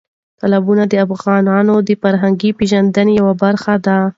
تالابونه د افغانانو د فرهنګي پیژندنې یوه برخه ده.